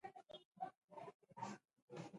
بوسنیایي خلک د لرغوني کلتور او دودونو سره مینه لري.